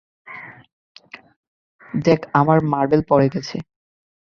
দেখ আমার মার্বেল পড়ে গেছে।